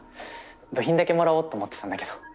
部品だけもらおうと思ってたんだけど。